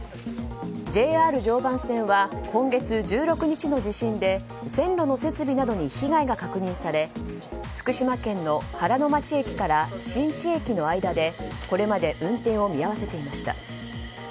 ＪＲ常磐線は今月１６日の地震で線路の設備などに被害が確認され福島県の原ノ町駅から新地駅の間でこれまで運転を見合わせていました。